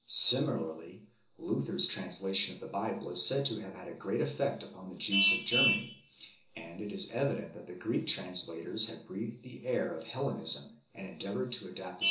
Similarly Luther s translation of the Bible is said to have had a great effect upon the Jews of Germany. And it is^ evident that the Greek translators had breathed the air of Hellenism, and endeavoured to adapt the simplicity of the 1 E.